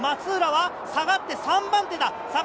松浦は下がって３番手だ！